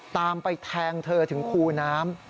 ตามไปแทงเธอถึงคูน้ำ